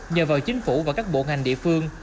nhờ vào chính phủ và các bộ ngành địa phương